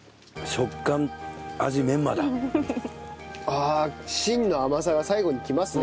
ああ芯の甘さが最後にきますね。